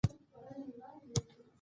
خپل نوم دی بدل کړي.